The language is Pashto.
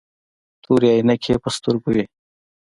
تورې عينکې يې په سترګو وې.